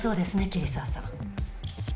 桐沢さん！